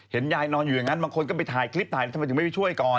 ยายนอนอยู่อย่างนั้นบางคนก็ไปถ่ายคลิปถ่ายแล้วทำไมถึงไม่ไปช่วยก่อน